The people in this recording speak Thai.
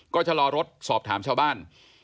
ก็ชะลอรถสอบถามชาวบ้าน